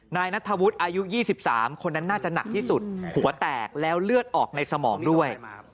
นายนัทธวุฒิอายุ๒๓คนนั้นน่าจะหนักที่สุดหัวแตกแล้วเลือดออกในสมองด้วย